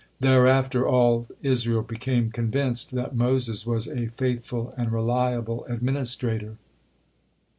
Thereafter all Israel became convinced that Moses was a faithful and reliable administrator.